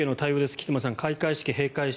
菊間さん、開会式、閉会式